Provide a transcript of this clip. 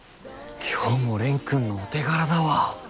今日も蓮くんのお手柄だわ。